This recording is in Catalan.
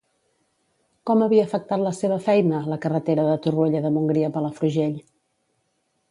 Com havia afectat la seva feina, la carretera de Torroella de Montgrí a Palafrugell?